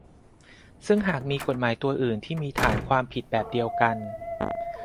ซึ่งหากมีกฎหมายตัวอื่นที่มีฐานความผิดแบบเดียวกัน